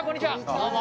どうも。